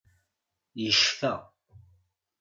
Yecfa.